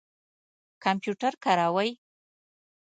کمپیوټر کاروئ؟